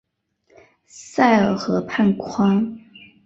塞尔河畔宽。